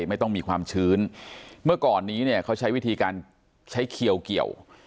ไม่ต้องมีความชื้นเมื่อก่อนนี้เนี่ยเขาใช้วิธีการใช้เขียวเกี่ยว